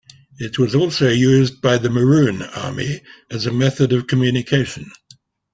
It was also used by the Maroon army as a method of communication.